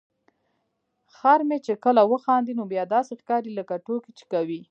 خر مې چې کله وخاندي نو بیا داسې ښکاري لکه ټوکې چې کوي.